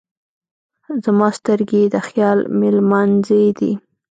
زما سترګې یې د خیال مېلمانځی دی.